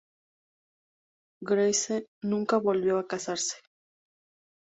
Grace nunca volvió a casarse.